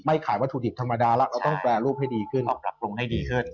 ขายวัตถุดิบธรรมดาแล้วเราต้องแปรรูปให้ดีขึ้นปรับปรุงให้ดีขึ้น